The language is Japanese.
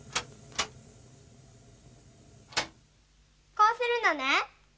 こうするのね。